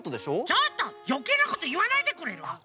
ちょっとよけいなこといわないでくれる？